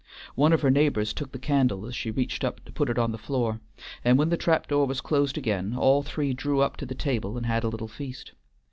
One of her neighbors took the candle as she reached up to put it on the floor, and when the trap door was closed again all three drew up to the table and had a little feast.